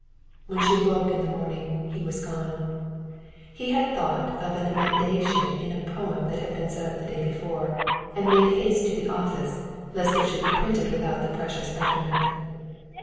When she woke in the morning, he was gone: he had thought of an emendation in a poem that had been set up the day before, and made haste to the office, lest it should be printed without the precious betterment.